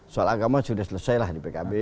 soal agama sudah selesai lah di pkb